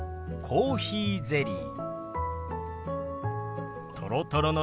「コーヒーゼリー」。